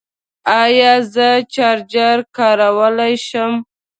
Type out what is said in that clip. ایا زه چارجر کارولی شم؟